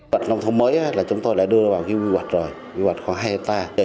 bạch nông thôn mới là chúng tôi đã đưa vào cái quy hoạch rồi quy hoạch khoảng hai hectare